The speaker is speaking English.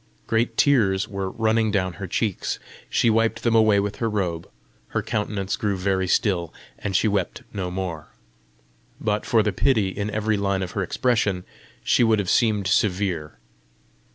Great tears were running down her cheeks: she wiped them away with her robe; her countenance grew very still, and she wept no more. But for the pity in every line of her expression, she would have seemed severe.